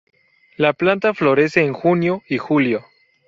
La planta florece en junio y julio.